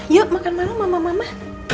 yuk makan malam mama mama